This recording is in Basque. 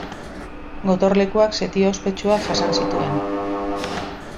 Gotorlekuak setio ospetsuak jasan zituen.